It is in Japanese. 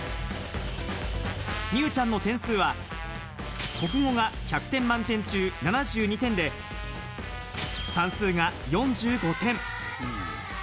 美羽ちゃんの点数は国語が１００点満点中７２点で、算数が４５点。